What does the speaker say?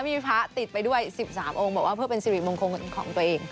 มีพระติดไปด้วย๑๓องค์บอกว่าเพื่อเป็นสิริมงคลของตัวเอง